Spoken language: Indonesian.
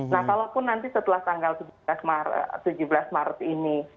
nah kalaupun nanti setelah tanggal tujuh belas maret ini